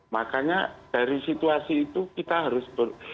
makanya dari situasi itu kita harus ber